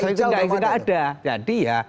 incel belum ada nah dia